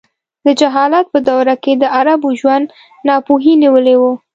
د جهالت په دوره کې د عربو ژوند ناپوهۍ نیولی و.